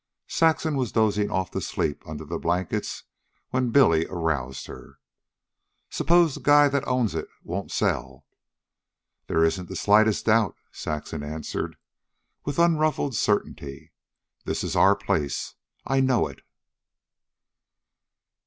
Saxon was dozing off to sleep under the blankets when Billy aroused her. "Suppose the guy that owns it won't sell?" "There isn't the slightest doubt," Saxon answered with unruffled certainty. "This is our place. I know it."